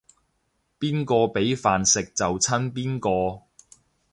邊個畀飯食就親邊個